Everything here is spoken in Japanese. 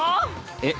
えっ？